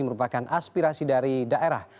merupakan aspirasi dari daerah